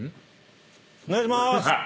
お願いしまーす。